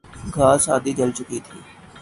گھاس آدھی جل چکی تھی